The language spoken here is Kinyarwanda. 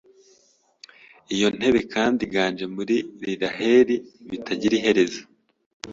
Iyo ntebe, kandi iganje muri Iiraheli bitagira iherezo